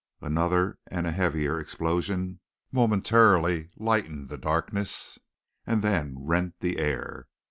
Another and a heavier explosion momentarily lightened the darkness and then rent the air.